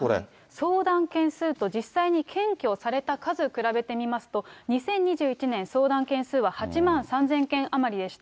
相談件数と、実際に検挙された数、比べてみますと、２０２１年、相談件数は８万３０００件余りでした。